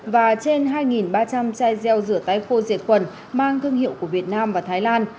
và trên hai ba trăm linh chai gieo rửa tay khô diệt khuẩn mang thương hiệu của việt nam và thái lan